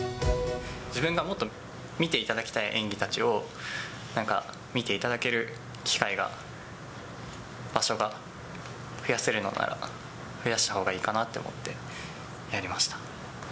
自分がもっと見ていただきたい演技たちを、なんか見ていただける機会が、場所が増やせるのなら、増やしたほうがいいかなって思ってやりました。